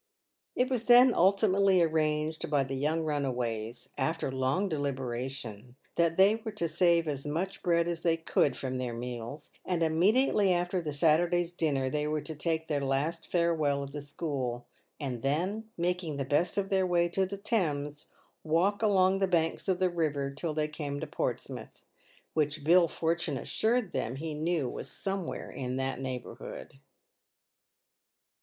It was then ultimately arranged by the young runaways, after long deliberation, that they were to save as much bread as they could from their meals, and immediately after the Saturday's dinner they were to take their last farewell of the school, and then, making the best of their way to the Thames, walk along the banks of the river till they came to Portsmouth — which Bill Fortune assured them he knew was somewhere in that neighbourhood.